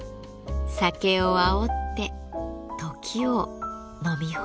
酒をあおって時を飲み干す。